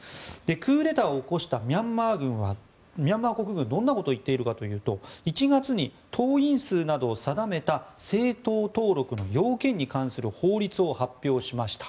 クーデターを起こしたミャンマー国軍はどんなことを言っているかというと１月に党員数などを定めた政党登録の要件に関する法律を発表しました。